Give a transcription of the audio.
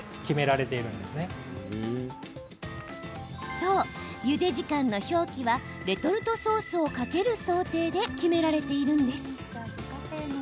そう、ゆで時間の表記はレトルトソースをかける想定で決められているんです。